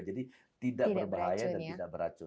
jadi tidak berbahaya dan tidak beracun